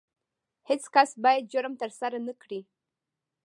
هیڅ کس باید جرم ترسره نه کړي.